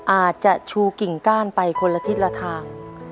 อาจจะชูกิ่งก้านไปคนละทิศละทาง